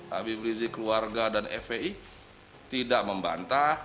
habib rizik keluarga dan fpi tidak membantah